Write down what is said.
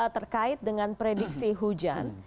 terkait dengan prediksi hujan